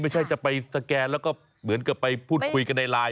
จะไปสแกนแล้วก็เหมือนกับไปพูดคุยกันในไลน์